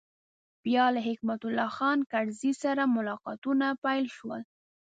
بیا له حکمت الله خان کرزي سره ملاقاتونه پیل شول.